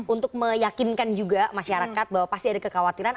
untuk meyakinkan juga masyarakat bahwa pasti ada kekhawatiran